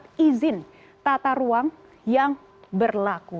dengan izin tata ruang yang berlaku